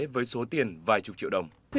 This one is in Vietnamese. với số tiền vài chục triệu đồng